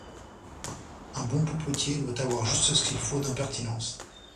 Un bon popotier doit avoir juste ce qu'il faut d'impertinence.